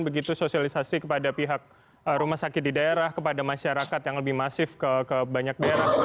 begitu sosialisasi kepada pihak rumah sakit di daerah kepada masyarakat yang lebih masif ke banyak daerah